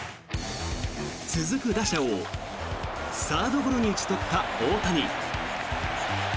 続く打者をサードゴロに打ち取った大谷。